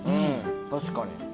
確かに。